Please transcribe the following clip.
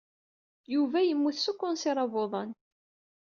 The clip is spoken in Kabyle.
Yuba yemmut s ukensir abuḍan.